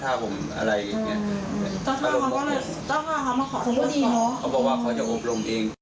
ตอนกลับผมก็